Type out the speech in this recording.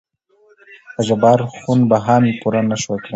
دجبار خون بها مې پوره نه شوى کړى.